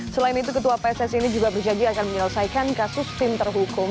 selain itu ketua pssi ini juga berjaga akan menyelesaikan kasus tim terhukum